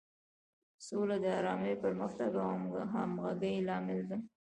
سوله د ارامۍ، پرمختګ او همغږۍ لامل ده.